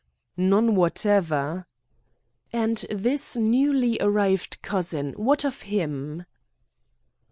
"None whatever." "And this newly arrived cousin, what of him?"